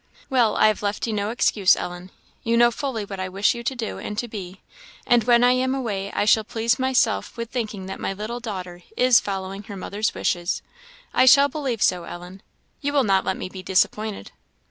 "Well, I have left you no excuse, Ellen. You know fully what I wish you to do and to be; and when I am away I shall please myself with thinking that my little daughter is following her mother's wishes; I shall believe so, Ellen. You will not let me be disappointed?"